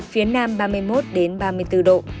phía nam ba mươi một ba mươi bốn độ